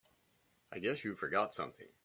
I guess you forgot something.